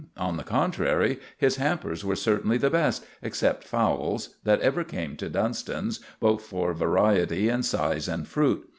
On the contrary, his hampers were certainly the best, except Fowle's, that ever came to Dunston's, both for variety and size and fruit.